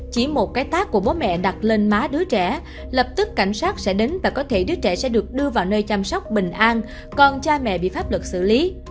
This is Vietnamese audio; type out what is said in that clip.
chỉ một cái tác của bố mẹ đặt lên má đứa trẻ lập tức cảnh sát sẽ đến và có thể đứa trẻ sẽ được đưa vào nơi chăm sóc bình an còn cha mẹ bị pháp luật xử lý